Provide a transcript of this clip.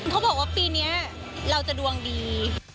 เขาบอกว่าปีนี้เราจะดวงดี